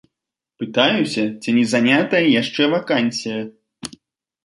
Пытаюся, ці не занятая яшчэ вакансія.